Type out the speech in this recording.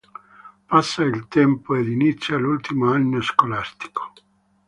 Passa il tempo ed inizia l'ultimo anno scolastico.